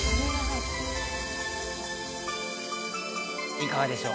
いかがでしょう？